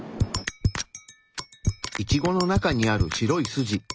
イチゴの中にある白い筋。